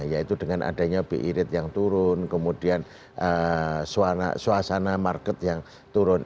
yaitu dengan adanya bi rate yang turun kemudian suasana market yang turun